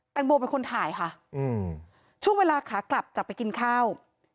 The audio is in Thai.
งโมเป็นคนถ่ายค่ะช่วงเวลาขากลับจากไปกินข้าว